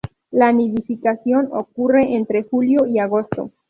La nidificación ocurre entre julio y agosto.